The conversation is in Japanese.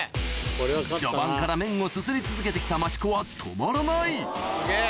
序盤から麺をすすり続けて来た益子は止まらないすげぇ。